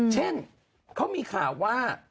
เช่นเขามีข่าวว่า